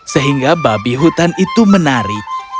sehingga babi hutan itu menari